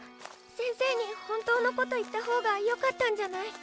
先生に本当のこと言った方がよかったんじゃない？